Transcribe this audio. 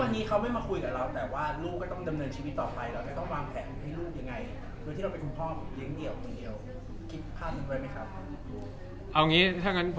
และก็ต้องวางแถมให้ลูกยังไงโดยที่เราเป็นคุณพ่ออย่างเดียวกันเดียว